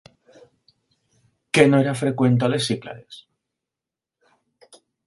Què no era freqüent a les Cíclades?